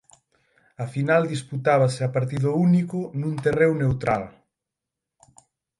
A final disputábase a partido único nun terreo neutral.